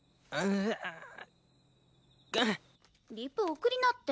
リプ送りなって。